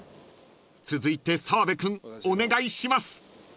［続いて澤部君お願いします］